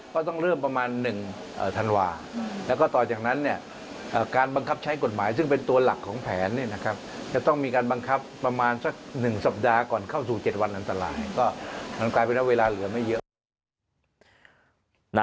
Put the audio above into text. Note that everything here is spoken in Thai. ก็ต้องเริ่มประมาณ๑ธันวาแล้วก็ต่อจากนั้นการบังคับใช้กฎหมายซึ่งเป็นตัวหลักของแผนจะต้องมีการบังคับประมาณสัก๑สัปดาห์ก่อนเข้าสู่๗วันอันตรายก็มันกลายเป็นว่าเวลาเหลือไม่เยอะ